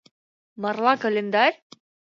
Марла календарь?!.